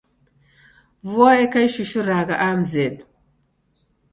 Vua eka ishushuragha aha mzedu.